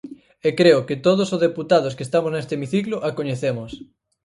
E creo que todos o deputados que estamos neste hemiciclo a coñecemos.